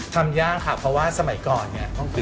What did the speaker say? ทำยากค่ะเพราะว่าสมัยก่อนเนี่ย